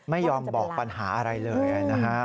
ไม่ยอมบอกปัญหาอะไรเลยนะฮะ